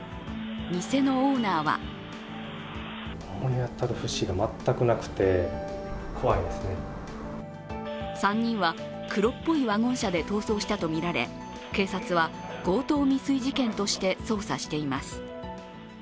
店のオーナーは３人は黒っぽいワゴン車で逃走したとみられ警察は強盗未遂事件として捜査しています。